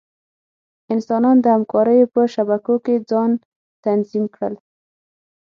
انسانان د همکاریو په شبکو کې ځان تنظیم کړل.